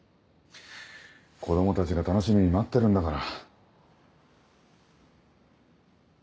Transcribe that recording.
子供たちが楽しみに待ってるんだから。